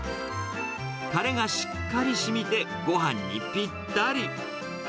たれがしっかりしみて、ごはんにぴったり。